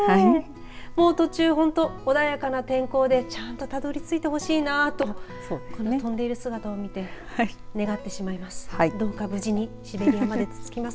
途中本当、穏やかな天候でちゃんとたどり着いてほしいなと飛んでいる姿を見て願ってしまいます。